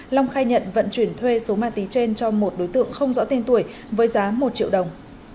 long khai nhận vận chuyển thuê số ma túy trên cho một đối tượng không rõ tên tuổi với giá một triệu đồng